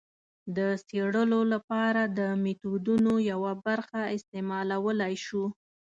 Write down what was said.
د څېړلو لپاره د میتودونو یوه برخه استعمالولای شو.